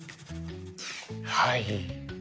はい。